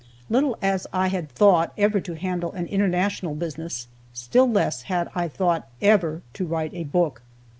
Little as I had thought ever to handle an international business, still less had I thought ever to write a book.